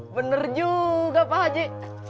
bener juga pak haji